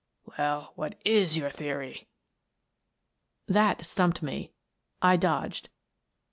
Well, what is your theory?" That stumped me. I dodged.